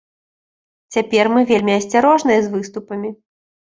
Цяпер мы вельмі асцярожныя з выступамі.